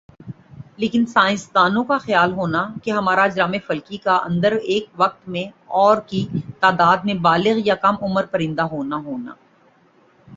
لیکن سائنسدان کا خیال ہونا کہ ہمارہ اجرام فلکی کا اندر ایک وقت میں اور کی تعداد میں بالغ یا کم عمر پرندہ ہونا ہونا